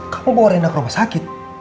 kamu bawa rendang ke rumah sakit